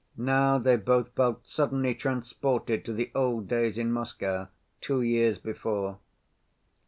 Now they both felt suddenly transported to the old days in Moscow, two years before.